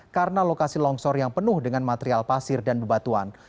karena lokasi longsor yang penuh dengan material pasir dan bebatuan